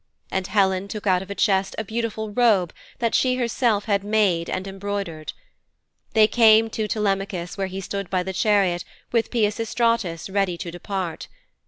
And Helen took out of a chest a beautiful robe that she herself had made and embroidered. They came to Telemachus where he stood by the chariot with Peisistratus ready to depart.